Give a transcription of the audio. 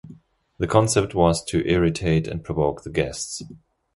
The concept was to irritate and provoke the guests.